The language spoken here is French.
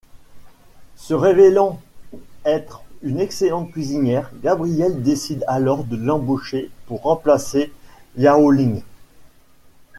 Se révélant être une excellent cuisinière, Gabrielle décide alors de l'embaucher pour remplacer Yao-Lin.